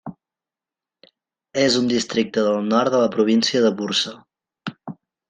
És un districte del nord de la província de Bursa.